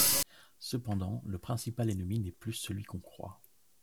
Cependant, le principal ennemi n’est plus celui qu’on croit.